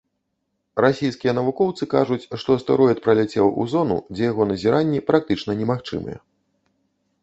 Расійскія навукоўцы кажуць, што астэроід паляцеў у зону, дзе яго назіранні практычна немагчымыя.